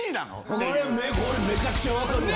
俺これめちゃくちゃ分かるわ。